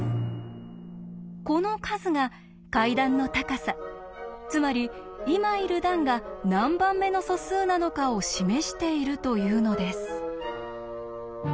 この数が階段の高さつまり今いる段が何番目の素数なのかを示しているというのです。